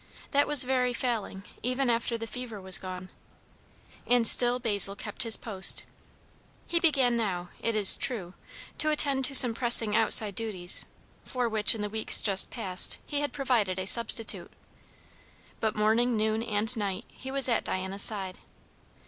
That was very failing, even after the fever was gone. And still Basil kept his post. He began now, it is true, to attend to some pressing outside duties, for which in the weeks just past he had provided a substitute; but morning, noon, and night he was at Diana's side.